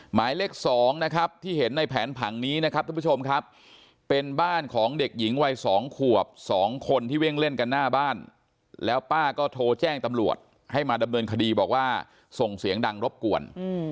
หมายเลข๒นะครับที่เห็นในแผนผังนี้นะครับทุกผู้ชมครับเป็นบ้านของเด็กหญิงวัย๒ขวบ๒คนที่วิ่งเล่นกันหน้าบ้านแล้วป้าก็โทรแจ้งตำรวจให้มาดำเนินคดีบอกว่าส่งเสียงดังรบกวน